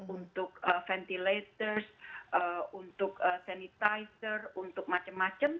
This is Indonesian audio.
untuk ventilator untuk sanitizer untuk macam macam